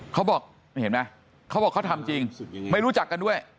เขาบอกเห็นไหมเขาบอกเขาทำจริงไม่รู้จักกันด้วย